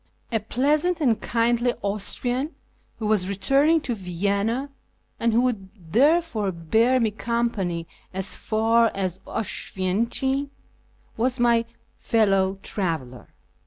A pleasant and kindly Austrian who was returning to Vienna, and who would therefore bear me company as far as Oswiecim, FROM KIRMAN to ENGLAND 575 was my fellow traveller.